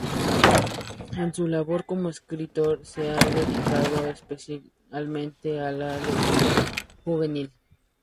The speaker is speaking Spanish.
En su labor como escritor se ha dedicado especialmente a la literatura juvenil.